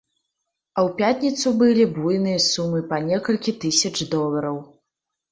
А ў пятніцу былі буйныя сумы па некалькі тысяч долараў.